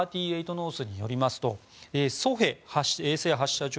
ノースによりますとソヘ衛星発射場